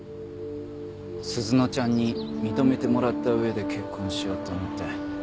鈴乃ちゃんに認めてもらった上で結婚しようと思って。